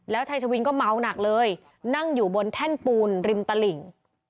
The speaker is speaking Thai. แล้วชายชวินก็เมาหนักเลยนั่งอยู่บนแท่นปูนริมตลิ่ง